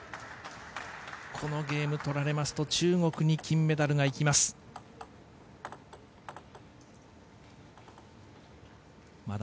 このゲームとられますと中国に金メダルがいきます。